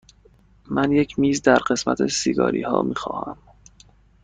من یک میز در قسمت سیگاری ها می خواهم.